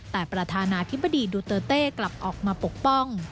แต่ประธานาธิบดีดูเตอร์เต้กลับออกมาปกป้อง